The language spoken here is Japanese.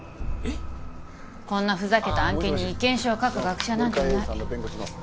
こんなふざけた案件に意見書を書く学者なんていない。